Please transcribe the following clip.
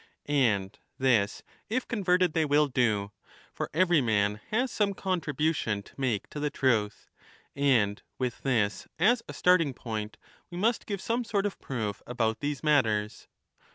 And this if i° converted they will do, for every man has some contribution to make to the truth, and with this as a starting point we must give some sort of proof about these matters.